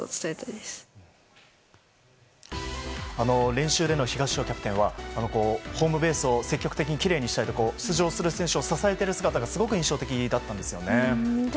練習での東尾キャプテンはホームベースを積極的にきれいにしたり出場する選手を支えている姿がすごく印象的だったんですね。